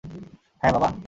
হ্যাঁ, বাবা?